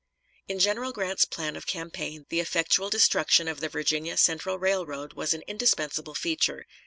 In General Grant's plan of campaign the effectual destruction of the Virginia Central Railroad was an indispensable feature.